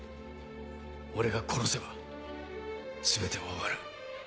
俺が殺せば全ては終わる。